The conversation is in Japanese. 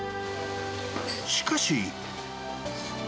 しかし。